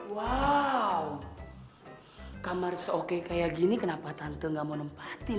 wow kamar se oke kayak gini kenapa tante gak mau nempatin ya